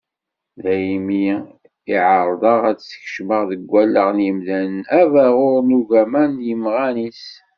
Daymi i εerrḍen ad skecmen deg wallaɣ n yimdanen abaɣur n ugama d yimɣan-is.